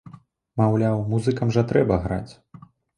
Маўляў, музыкам жа трэба граць!